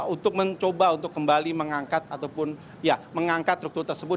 untuk mencoba untuk kembali mengangkat truk truk tersebut